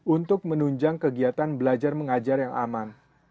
untuk menunjang kegiatan belajar mengajar yang aman